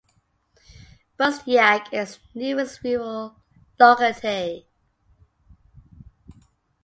Buzdyak is the nearest rural locality.